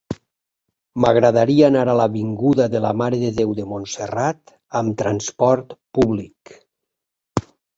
M'agradaria anar a l'avinguda de la Mare de Déu de Montserrat amb trasport públic.